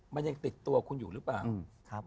มันยังติดตัวคุณอยู่หรือเปล่า